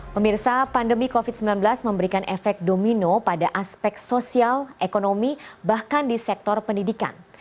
pemirsa pandemi covid sembilan belas memberikan efek domino pada aspek sosial ekonomi bahkan di sektor pendidikan